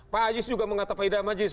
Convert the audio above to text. pak ajis juga mengatakan